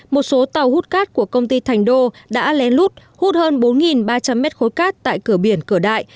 một số tàu hút cát của công ty thành đô đã lén lút hút hút hơn bốn ba trăm linh mét khối cát tại cửa biển cửa đại